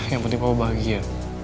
yang penting papa bahagia